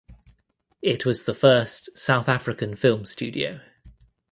It was the first South African film studio.